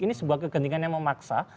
ini sebuah kegentingan yang memaksa